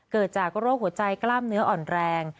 เกิดจากโรคหัวใจกล้ามเนื้ออ่อนแรง